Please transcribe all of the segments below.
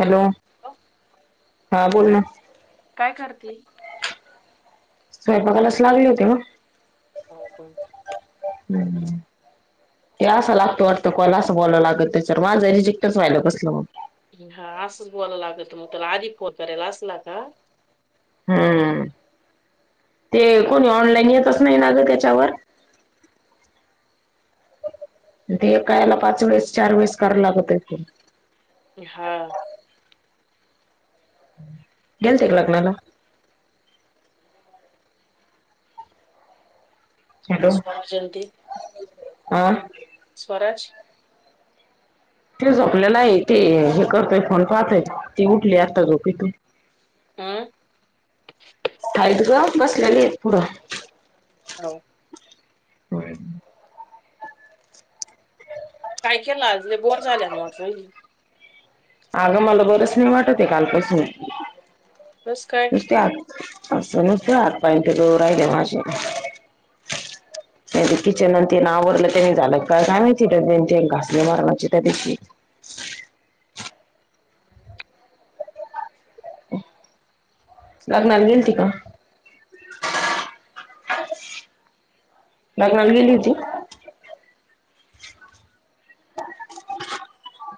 Hello. [unintelligible] हा बोल ना. काय करती. स्वयंपाकालाच लागले होते ग हो पण हम्म. ते असं लागतो वाटतं कॉल असं बोलाव लागत नाही त्याच्यावर माझं रिजेक्टच व्हायलं कसलं मग. हा असंच बोलाला लागत मग त्याला आधी फोन करायला असला का. हा ते कोणी ऑनलाईन येतच नाही ना ग त्याच्यावर. ते कायला पाच वेळेस चार वेळेस करायला लागतायेत ते हा. गेलते का लग्नाला हॅलो स्वराज आणि ते हा. स्वराज. तेच झोपलेला हाय ते हे करतोय फोन पाहतोय ती उठली आता झोपेतून आं. हाइत ग बसल्याली हाइत पुढं. हॅलो. डोळ्यात काय केल आज लई बोर झाले [inaudible] आगं मला बरच नाही वाटत आहे कालपासून बस काय नुसते आ असं नुसत हात पाय [inaudible] राहिले माझे किचन अन तेन आवरलं त्यांनी झालं का काय माहिती डब्यांचे घासले [inaudible] त्या दिवशी लग्ना गेलती का लग्नाला गेली होती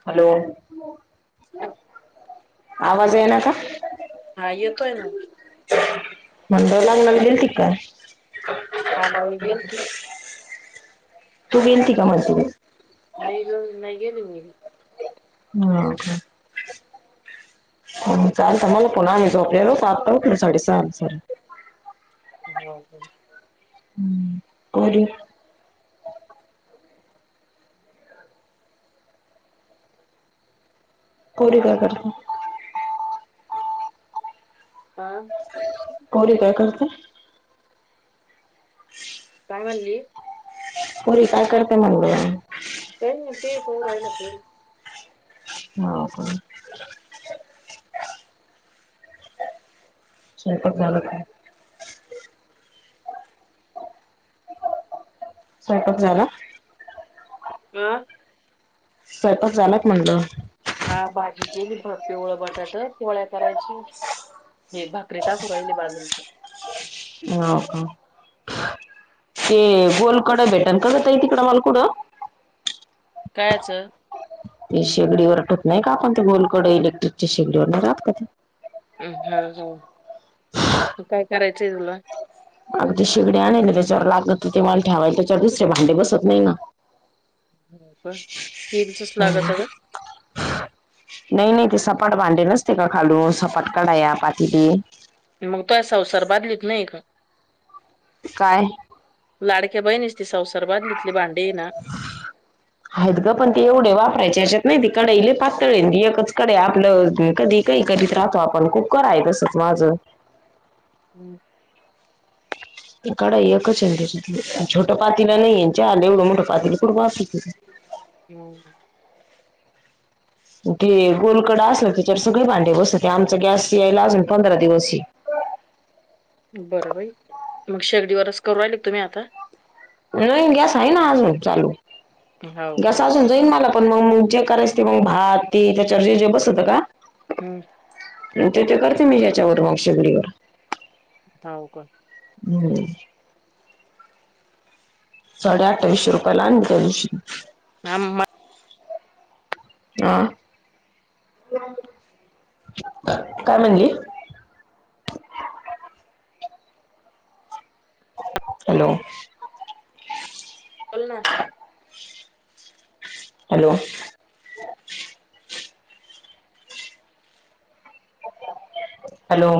हॅलो आवाज यायला का हा येतोय ना मंडव लागलेल [inaudible] हा [inaudible] गेलती तू गेलती का [inaudible] नाही रोज नाही गेली मी हा चाल तर मला पुन्हा आम्ही झोपलेलो साडे सहा नूसार हो हो [inaudible] [unintelligible] हा [inaudible] काय करते काय म्हणली? पोरी काय करताय म्हणलं? काई नाई ते पाहू राहिल्या पोरी हाव का? स्वयंपाक झाला का स्वयंपाक झाला? अ स्वयंपाक झाला का म्हणलं हा भाजीची केली ब पिवळं बटाटं पोळ्या करायची हे भाकरी टाकून राहिले बाजरीची हाव का ते गोल कडं भेटल का ग ताई तिकडं मला कुटं? कायाचं ते शेगडीवर [inaudible] नाही का आपण ते गोल कडं इलेक्ट्रिकच्या शेगडीवर नाही राहात का ते [unintelligible] तू काय करायचंय तुला? आमची शेगडी आणेल है त्याच्यावर लागत होती मला ठेवायला त्याच्यावर दुसरे भांडे बसत नाही ना पण स्टिलच लागतं का? हम्म नाही नाही ते सपाट भांडे नसते का खालून सपाट कढाया पातीली मग काय संसार बादलीत नाइये का? काय लाडक्या बहिणीचे ती संसार बादलीतले भांडी ये ना हाईत गं पण ते एवढे वापरायचे ह्याच्यात नाईत ते कडई लै पातळाय ती एकच कडई आपलं कधी काई करीत राहतो आपण कुक्कर हाये तस्सच माझं हम ती कडाई एकच हैन त्याच्यात छोटं पातेलं नाहीयेय ना चहाला एवढं मोठं पातेलं कुठ बास [inaudible] हु ते गोल कडा असलं त्याच्यावर सगळे भांडे बसते आमचा गॅस यायला अजून पंधरा दिवसए बरं बाई तू शेगडीवरच करू राहिलीका तुम्ही आता?. नाईन गॅस हाय ना अजून चालू हो गॅस का अजून नाईन मला पण मंग जे करायच ते मग भात ते त्याच्यावर जेजे बसतंका ह तंते करते मी ह्याच्यावर मग शेगडीवर हाऊ का हम्म साडे अठ्ठावीसशे रुपये ला आन त्या दिवशी हम्म आ काय म्हणली?. हॅलो बोलना हॅलो हॅलो